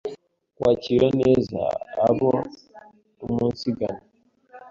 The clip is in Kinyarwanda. kwakira neza abaumunsigana,